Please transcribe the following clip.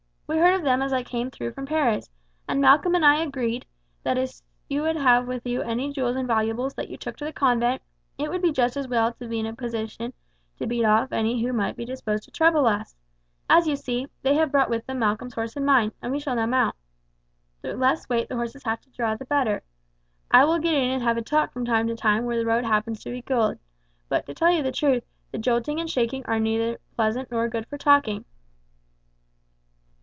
We heard of them as we came through from Paris, and Malcolm and I agreed, that as you would have with you any jewels and valuables that you took to the convent, it would be just as well to be in a position to beat off any who might be disposed to trouble us. As you see, they have brought with them Malcolm's horse and mine, and we shall now mount. The less weight the horses have to draw the better. I will get in and have a talk from time to time where the road happens to be good; but, to tell you the truth, the jolting and shaking are neither pleasant nor good for talking."